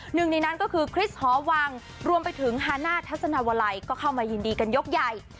หนึ่งในนั้นก็คือคริสหอวังรวมไปถึงฮาน่าทัศนาวลัยก็เข้ามายินดีกันยกใหญ่